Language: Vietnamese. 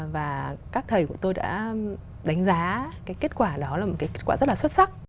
và các thầy của tôi đã đánh giá cái kết quả đó là một cái kết quả rất là xuất sắc